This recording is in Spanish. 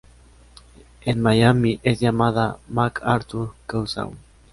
En Miami es llamada MacArthur Causeway.